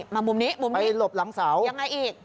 มุมนี้มุมนี้ไปหลบหลังเสายังไงอีก